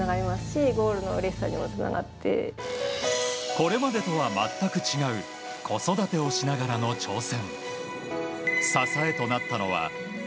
これまでと全く違う子育てをしながらの挑戦。